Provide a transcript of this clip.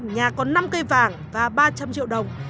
nhà có năm cây vàng và ba trăm linh triệu đồng